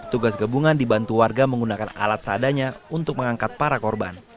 tugas gabungan dibantu warga menggunakan alat seadanya untuk mengangkat para korban